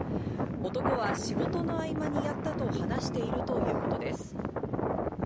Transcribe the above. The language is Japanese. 男は、仕事の合間にやったと話しているということです。